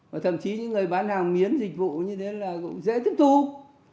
và thậm chí những người bán hàng miến dịch vụ như thế là cũng dễ tiếp tục